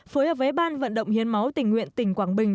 phối hợp với ban vận động hiến máu tỉnh nguyện tỉnh quảng bình